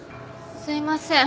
すみません。